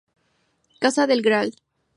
Casa del Gral.